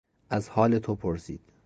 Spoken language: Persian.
از حال تو پرسید.